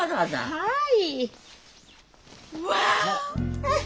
はい。